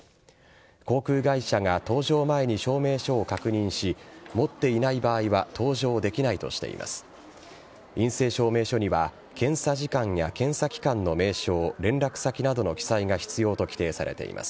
航空会社が搭乗前に証明書を確認し、持っていない場合は搭乗できないとしています。